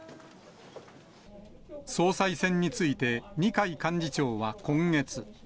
総裁選について、二階幹事長は今月。